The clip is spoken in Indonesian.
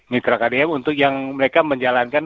mitra kdm untuk yang mereka menjalankan